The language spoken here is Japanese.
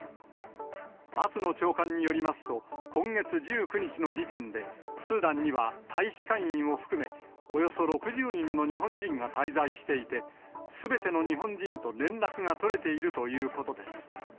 松野長官によりますと、今月１９日の時点で、スーダンには大使館員を含め、およそ６０人の日本人が滞在していて、すべての日本人と連絡が取れているということです。